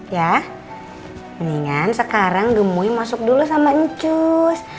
ya mendingan sekarang gemui masuk dulu sama ncus